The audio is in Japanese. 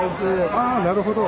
あなるほど。